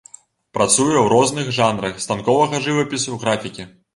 Працуе ў розных жанрах станковага жывапісу, графікі.